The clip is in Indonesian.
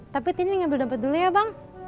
tapi tini ngambil dompet dulu ya bang